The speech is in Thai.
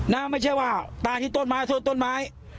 น่ะไม่ใช่ว่าตายที่ต้นไม้โทษต้นไม้